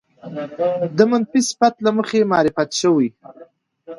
د منفي صفت له مخې معرفې شوې